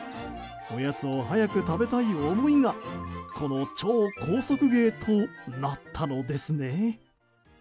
おやつを早く食べたい思いがこの超高速芸となったのですね。